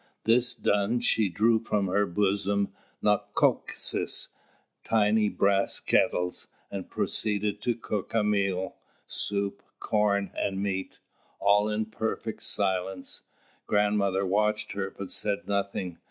This done, she drew from her bosom "nokoksis," tiny brass kettles, and proceeded to cook a meal, soup, corn and meat, all in perfect silence. Grandmother watched her, but said nothing.